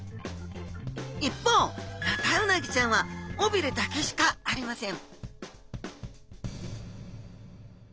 一方ヌタウナギちゃんは尾びれだけしかありません